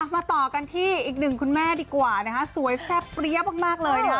มาต่อกันที่อีกหนึ่งคุณแม่ดีกว่านะคะสวยแซ่บเปรี้ยมากเลยนะคะ